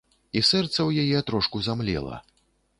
І сэрца ў яе трошку замлела.